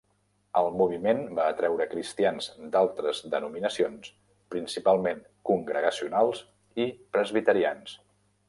El moviment va atreure cristians d'altres denominacions, principalment congregacionals i presbiterians.